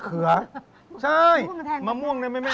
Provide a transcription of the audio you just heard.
มะเขือแทนได้ไหม